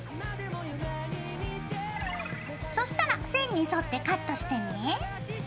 そしたら線に沿ってカットしてね。